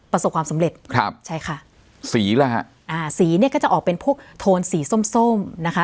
ประสบความสำเร็จครับใช่ค่ะสีล่ะฮะอ่าสีเนี่ยก็จะออกเป็นพวกโทนสีส้มส้มนะคะ